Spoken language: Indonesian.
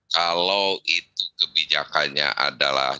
kalau itu kebijakannya adalah